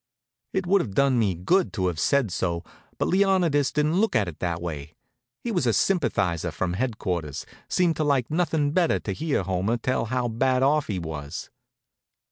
It would have done me good to have said so, but Leonidas didn't look at it in that way. He was a sympathizer from headquarters; seemed to like nothin' better'n to hear Homer tell how bad off he was.